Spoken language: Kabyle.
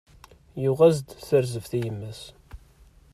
Yuɣ-as-d tarzeft i yemma-s